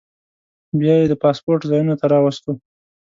بیا یې د پاسپورټ ځایونو ته راوستو.